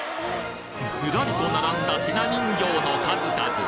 ずらりと並んだひな人形の数々！